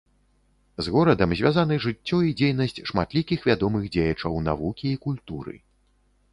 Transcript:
З горадам звязаны жыццё і дзейнасць шматлікіх вядомых дзеячаў навукі і культуры.